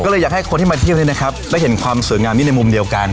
ก็เลยอยากให้คนที่มาเที่ยวนี้นะครับได้เห็นความสวยงามนี้ในมุมเดียวกัน